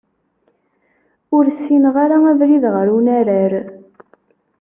Ur ssineɣ ara abrid ɣer unarar.